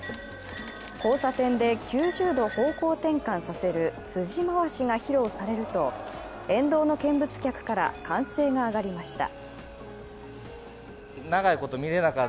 交差点で９０度方向転換させる辻回しが披露されると沿道の見物客から歓声が上がりました。